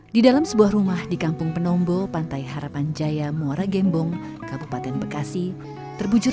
di dalam sebuah rumah di kampung penombo pantai harapan jaya muara gembong kabupaten bekasi terbujur